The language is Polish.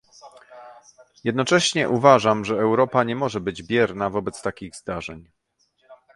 Jednocześnie uważam, że Europa nie może być bierna wobec takich zdarzeń!